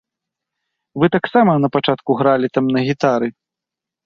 Вы таксама напачатку гралі там на гітары.